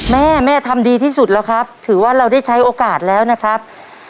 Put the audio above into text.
แม่แม่ทำดีที่สุดแล้วครับถือว่าเราได้ใช้โอกาสแล้วนะครับ